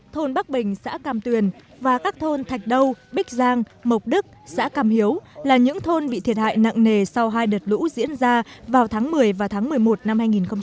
thôn bắc bình xã cam tuyền và các thôn thạch đâu bích giang mộc đức xã cam hiếu là những thôn bị thiệt hại nặng nề sau hai đợt lũ diễn ra vào tháng một mươi và tháng một mươi một năm hai nghìn một mươi chín